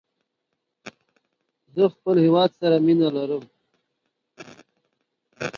مرګ د یو ستړي انسان خوب ته ورته دی.